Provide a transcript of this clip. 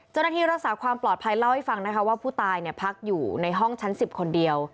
เจ้าหน้าที่รักษาความปลอดภัยเล่าให้ฟังนะคะว่าผู้ตายพักอยู่ในห้องชั้น๑๐คนเดียว